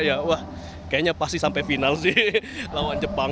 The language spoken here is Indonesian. ya wah kayaknya pasti sampai final sih lawan jepang